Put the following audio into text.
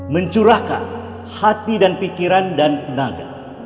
mencurahkan hati dan pikiran dan tenaga